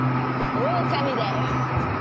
オオカミだよ！